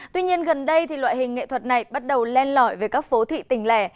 tuy nhiên gần đây loại hình nghệ thuật này bắt đầu len lõi về các phố thị tỉnh lẻ